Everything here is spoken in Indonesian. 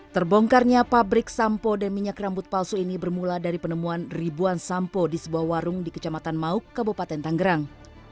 terbongkarnya pabrik sampo dan minyak rambut palsu ini bermula dari penemuan ribuan sampo di sebuah warung di kecamatan mauk kabupaten tanggerang